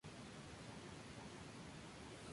Considerar muchos de estos cuadrados.